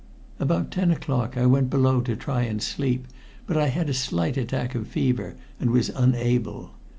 "About ten o'clock I went below to try and sleep, but I had a slight attack of fever, and was unable.